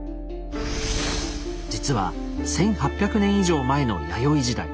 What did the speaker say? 実は１，８００年以上前の弥生時代。